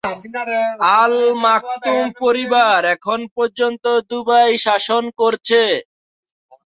আল Maktoum পরিবার এখন পর্যন্ত দুবাই শাসন করছে।